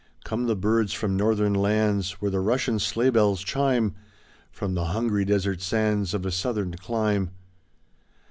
Come the birds from northern lands. Where the Russian sleigh bells chime, From the hungry desert sands Of a southern clime.